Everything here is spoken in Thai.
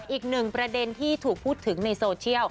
อีกหนึ่งประเด็นที่ถูกพูดถึงในโซเชียล